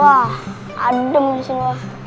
wah adem disini mah